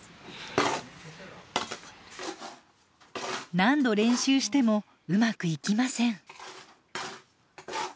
何度練習してもうまくいきません。